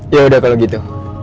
ya udah kalau gitu